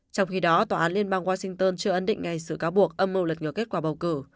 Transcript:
trong khi đó tòa án liên bang washington chưa ấn định ngay xử cáo buộc âm mưu lật ngừa kết quả bầu cử